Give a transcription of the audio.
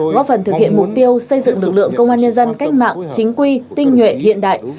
góp phần thực hiện mục tiêu xây dựng lực lượng công an nhân dân cách mạng chính quy tinh nhuệ hiện đại